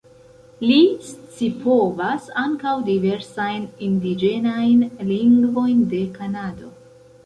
Li scipovas ankaŭ diversajn indiĝenajn lingvojn de Kanado.